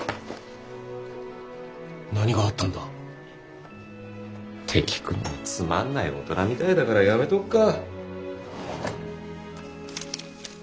何があったんだ？って聞くのもつまんない大人みたいだからやめとくか。